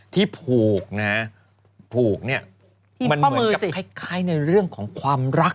ที่ผูกนะผูกเนี่ยมันเหมือนกับคล้ายในเรื่องของความรัก